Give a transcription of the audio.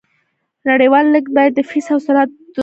نړیوال لیږد باید د فیس او سرعت دواړه وګوري.